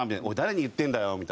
「おい誰に言ってんだよ」